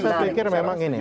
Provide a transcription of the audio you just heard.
saya pikir memang ini